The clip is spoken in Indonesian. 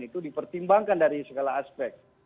itu dipertimbangkan dari segala aspek